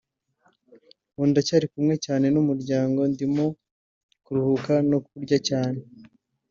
ubu ndacyari kumwe cyane n’umuryango ndimo kuruhuka no kurya cyane